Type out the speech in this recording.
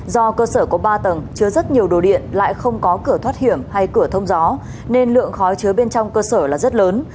do cơ sở có ba tầng chứa rất nhiều đồ điện lại không có cửa thoát hiểm hay cửa thông gió nên lượng khói chứa bên trong cơ sở là rất lớn